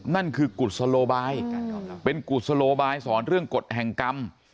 นั่นคือกุศโลบายเป็นกุศโลบายสอนเรื่องกฎแห่งกรรม